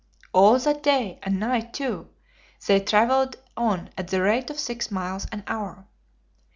All that day, and night, too, they traveled on at the rate of six miles an hour.